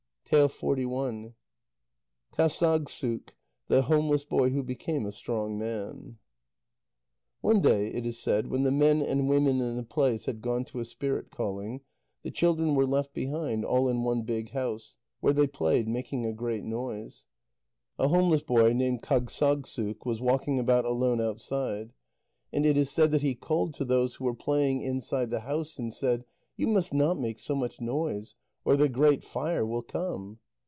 KÂGSSAGSSUK, THE HOMELESS BOY WHO BECAME A STRONG MAN One day, it is said, when the men and women in the place had gone to a spirit calling, the children were left behind, all in one big house, where they played, making a great noise. A homeless boy named Kâgssagssuk was walking about alone outside, and it is said that he called to those who were playing inside the house, and said: "You must not make so much noise, or the Great Fire will come."